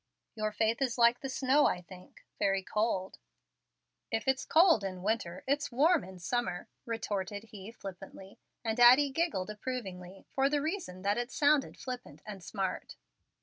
"Your faith is like the snow, I think, very cold." "If it's cold in winter, it's warm in summer," retorted he, flippantly; and Addie giggled approvingly, for the reason that it sounded flippant and smart.